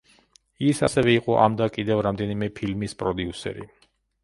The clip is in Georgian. ის ასევე იყო ამ და კიდევ რამდენიმე ფილმის პროდიუსერი.